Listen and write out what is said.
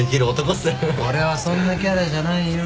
俺はそんなキャラじゃないよ。